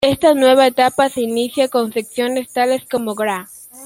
Esta nueva etapa se inicia con secciones tales como "Gra.